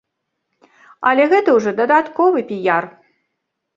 Але гэта ўжо дадатковы піяр.